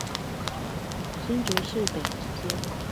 新竹市北門街